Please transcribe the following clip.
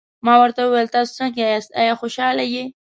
ما ورته وویل: تاسي څنګه یاست، آیا خوشحاله یې؟